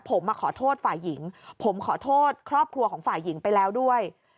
ผมมาขอโทษฝ่ายหญิงผมขอโทษครอบครัวของฝ่ายหญิงไปแล้วด้วย